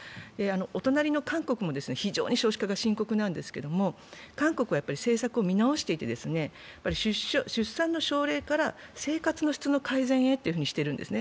お隣の韓国も非常に少子化が深刻なんですけれども韓国は政策を見直していて出産の奨励から生活の質の改善へとしているんですね。